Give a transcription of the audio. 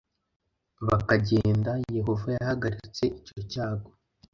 bakagenda yehova yahagaritse icyo cyago